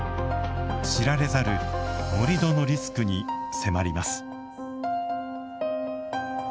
知られざる盛土のリスクに迫ります。